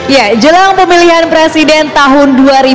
ya jelang pemilihan presiden tahun dua ribu dua puluh empat